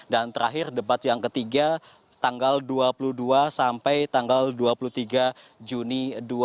dan terakhir debat yang ketiga tanggal dua puluh dua sampai tanggal dua puluh tiga juni dua ribu delapan belas